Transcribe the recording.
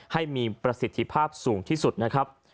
ให้มีประสิทธิภาพสูงที่สุดนะครับ